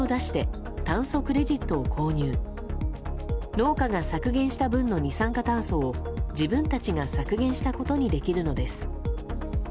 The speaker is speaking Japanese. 農家が削減した分の二酸化炭素を自分たちが削減したことにできるのです。